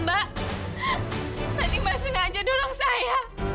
mbak tadi mbak sengaja dorong saya